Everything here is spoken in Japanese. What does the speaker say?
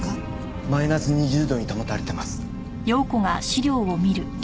マイナス２０度に保たれてます。